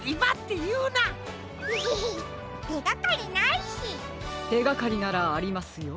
てがかりならありますよ。